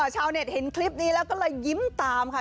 ชาวเน็ตเห็นคลิปนี้แล้วก็เลยยิ้มตามค่ะ